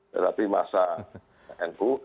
tetapi masa nu